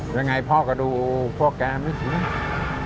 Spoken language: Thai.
ยังไงพ่อก็ดูพวกแกไม่ถึง